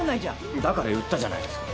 うんだから言ったじゃないですか。